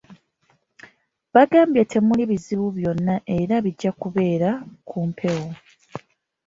Bangambye nti temuli buzibu bwonna era bijja kubeera ku mpewo.